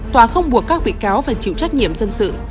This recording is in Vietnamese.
tòa không buộc các bị cáo phải chịu trách nhiệm dân sự